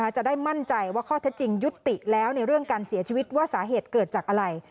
จะได้มั่นใจว่าข้อเท็จจริงยุติแล้วในเรื่องการเสียชีวิตว่าสาเหตุเกิดจากอะไร